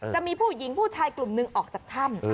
จะมีผู้หญิงผู้ชายกลุ่มหนึ่งออกจากถ้ำ